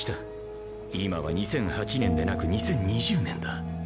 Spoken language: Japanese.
今は２００８年でなく２０２０年だ。